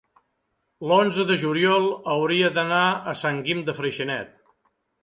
l'onze de juliol hauria d'anar a Sant Guim de Freixenet.